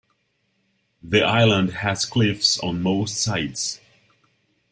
The island has cliffs on most sides.